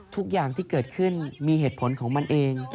ทุกอย่างที่เกิดขึ้นมีเหตุผลของมันเอง